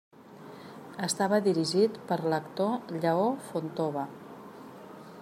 Estava dirigit per l'actor Lleó Fontova.